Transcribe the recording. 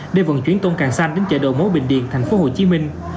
để vận chuyển tôm càng xanh đến chợ đồ mối bình điền thành phố hồ chí minh